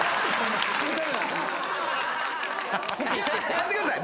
待ってください。